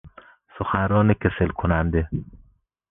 سخنران کسل کننده